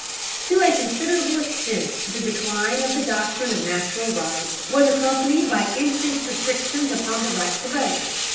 To a considerable extent the decline of the doctrine of natural rights was accompanied by increased restrictions upon the right to vote.